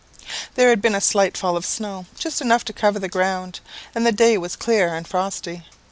"There had been a slight fall of snow, just enough to cover the ground, and the day was clear and frosty.